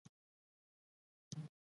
پیاز د وینې فشار کنټرولوي